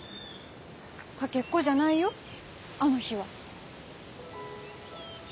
かけっこじゃないよあの日は。